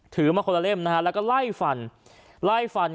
ถือมาคนละเล่มนะครับแล้วก็ไล่ฟัน